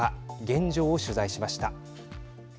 現状を取材しました。